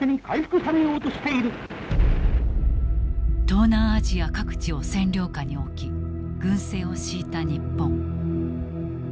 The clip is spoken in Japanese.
東南アジア各地を占領下に置き軍政を敷いた日本。